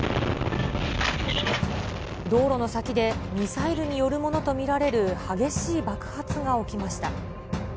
道路の先で、ミサイルによるものと見られる激しい爆発が起きました。